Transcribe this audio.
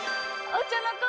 お茶の子